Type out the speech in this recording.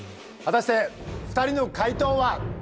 果たして２人の回答は！？